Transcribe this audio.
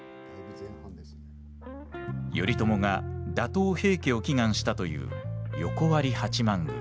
頼朝が打倒平家を祈願したという横割八幡宮。